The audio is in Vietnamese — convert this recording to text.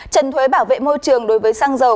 trần thuế bảo vệ môi trường đối với xăng dầu